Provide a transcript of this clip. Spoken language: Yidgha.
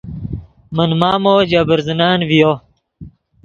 من مامو ژے برزنن ڤیو